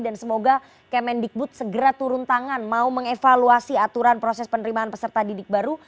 dan semoga pemendikbud segera turun tangan mau mengevaluasi aturan proses penerimaan peserta didik baru